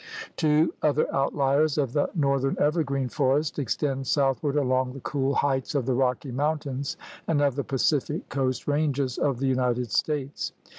Two other outliers of the northern evergreen forest extend southward along the cool heights of the Rocky Mountains and of the Pacific coast ranges of the United States.